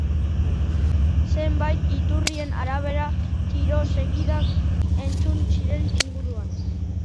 Zenbait iturrien arabera, tiro-segidak entzun ziren inguruan.